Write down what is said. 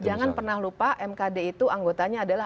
jangan pernah lupa mkd itu anggotanya adalah